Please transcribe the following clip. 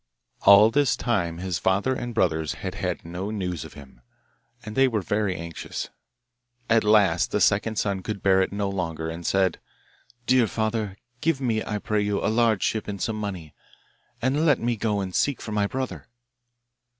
All this time his father and brothers had had no news of him, and were very anxious. At last the second son could bear it no longer, and said, 'Dear father, give me, I pray you, a large ship and some money, and let me go and seek for my brother.